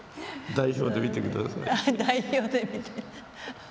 代表で見て。